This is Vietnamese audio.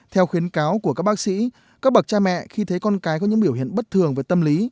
theo khuyến cáo của các bác sĩ các bậc cha mẹ khi thấy con cái có những biểu hiện bất thường về tâm lý